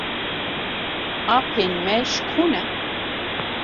Apên me ji ku ne?